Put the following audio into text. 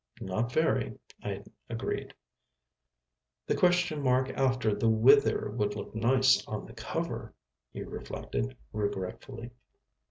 "Not very," I agreed. "The question mark after the 'Whither' would look nice on the cover," he reflected regretfully.